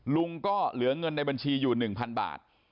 ลุงก็เหลือเงินในบัญชีอยู่๑๐๐๐บาท